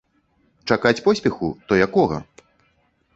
Чакаць поспеху, то якога?